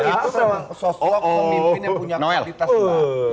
itu memang sosok pemimpin yang punya kualitas baru